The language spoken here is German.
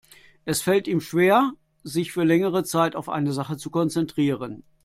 Es fällt ihm schwer, sich für längere Zeit auf eine Sache zu konzentrieren.